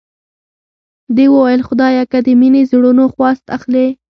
دې وویل خدایه که د مینې زړونو خواست اخلې.